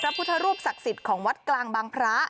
พระพุทธรูปศักดิ์สิทธิ์ของวัดกลางบางพระ